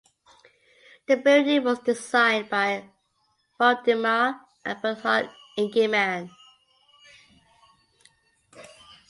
The building was designed by Valdemar and Bernhard Ingemann.